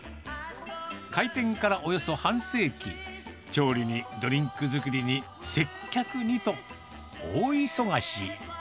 開店からおよそ半世紀、調理にドリンク作りに接客にと、大忙し。